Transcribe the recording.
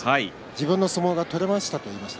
自分の相撲が取れましたと言っています。